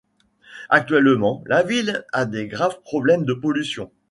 Actuellement, la ville a des graves problèmes de pollution.